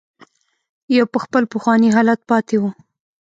يوه په خپل پخواني حالت پاتې وه.